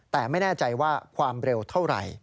แต่ไม่แน่ใจว่าความเร็วเท่าไหร่